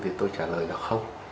thì tôi trả lời là không